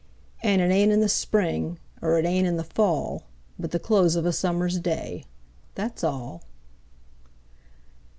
An' it ain't in the spring er it ain't in the fall, But the close of a summer's day, That's all.